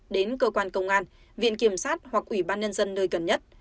đến cơ quan công an viện kiểm sát hoặc ủy ban nhân dân nơi gần nhất